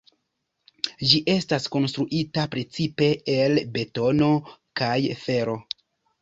Ĝi estas konstruita precipe el betono kaj fero.